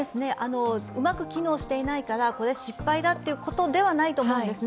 うまく機能していないから失敗だということではないと思うんですね。